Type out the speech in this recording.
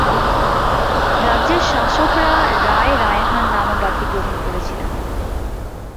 রাজ্যের শাসকরা রায় রায়হান নাম উপাধি গ্রহণ করেছিলেন।